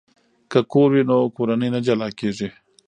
که کور وي نو کورنۍ نه جلا کیږي.